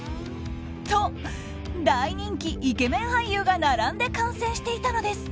と、大人気イケメン俳優が並んで観戦していたのです。